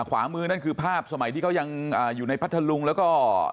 ขวามือนั่นคือภาพสมัยที่เขายังอยู่ในพัทธลุงแล้วก็